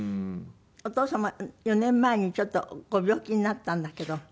お父様４年前にちょっとご病気になったんだけど。